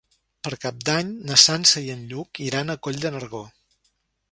Per Cap d'Any na Sança i en Lluc iran a Coll de Nargó.